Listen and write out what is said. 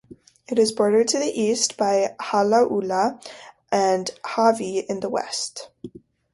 It is bordered to the east by Halaula, and Hawi is to the west.